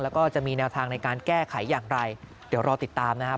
แล้วก็จะมีแนวทางในการแก้ไขอย่างไรเดี๋ยวรอติดตามนะครับ